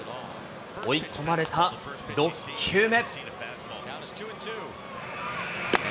追い込まれた６球目。